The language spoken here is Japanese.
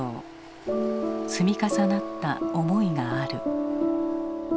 積み重なった思いがある。